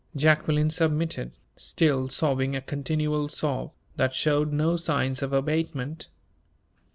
Jacqueline submitted, still sobbing a continual sob, that showed no signs of abatement.